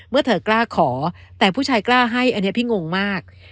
เมื่อเธอกล้าขอแต่ผู้ชายกล้าให้อันนี้พี่งงมาก